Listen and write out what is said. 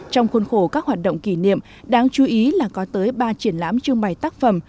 trong khuôn khổ các hoạt động kỷ niệm đáng chú ý là có tới ba triển lãm trưng bày tác phẩm